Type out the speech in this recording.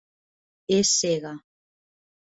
És cega.